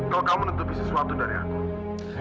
kalau kamu menutupi sesuatu dari aku